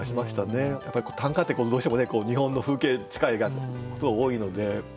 短歌ってどうしても日本の風景に近いことが多いので。